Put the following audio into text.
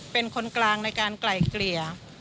เป็นคนกลางในการไกล่เกลี่ย